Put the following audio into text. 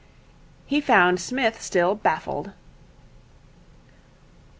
He found Psmith still baffled.